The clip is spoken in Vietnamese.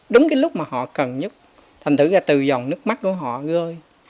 đúng cái lúc mà họ cần nhất thành thử ra từ dòng nước mắt của họ gơi